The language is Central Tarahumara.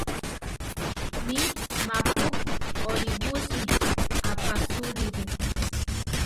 Mí, ma-pu olíbusi aʼpasúliru.